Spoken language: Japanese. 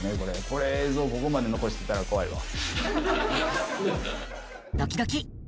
この映像、ここまで残してたら怖いわ。